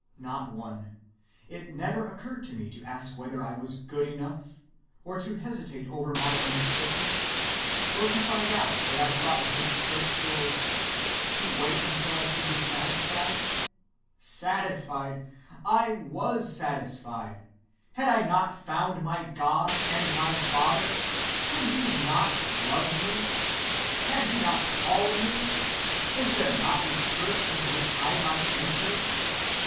Not one. It never occurred to me to ask whether I was good enough, or to hesitate over my unfitness, or to find out what I thought of his church, or ... to wait until I should be satisfied. Satisfied! I was satisfied. Had I not found my God and my Father? Did he not love me? Had he not called me? Was there not a Church into which I might enter?...